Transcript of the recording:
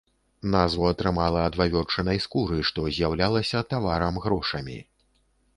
Назву атрымала ад вавёрчынай скуры, што з'яўлялася таварам-грошамі.